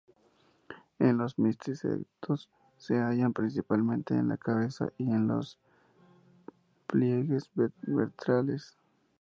En los misticetos se hallan principalmente en la cabeza y en los pliegues ventrales.